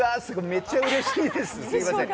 めっちゃ嬉しいです。